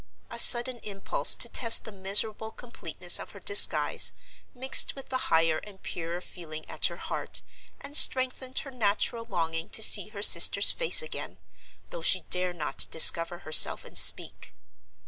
A sudden impulse to test the miserable completeness of her disguise mixed with the higher and purer feeling at her heart, and strengthened her natural longing to see her sister's face again, though she dare not discover herself and speak.